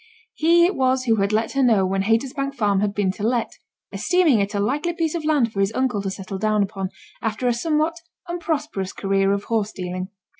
He it was who had let her know when Haytersbank Farm had been to let; esteeming it a likely piece of land for his uncle to settle down upon, after a somewhat unprosperous career of horse dealing.